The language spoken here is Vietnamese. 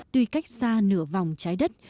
tuy cách xa nửa vòng trái đất